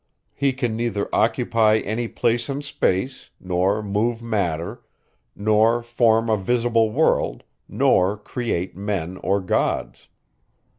He can neither occupy any place in space, nor move matter, nor form a visible world, nor create men or gods.